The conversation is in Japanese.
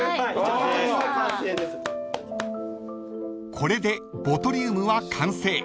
［これでボトリウムは完成］